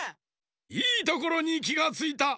いいところにきがついた！